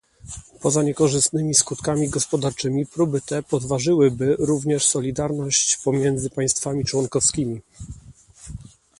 Poza niekorzystnymi skutkami gospodarczymi próby te podważyłyby również solidarność pomiędzy państwami członkowskimi